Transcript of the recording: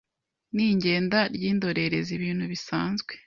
nigenda ryindorerezi ibintu bisanzwe